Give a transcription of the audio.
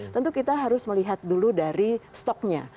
tentu kita harus melihat dulu dari stoknya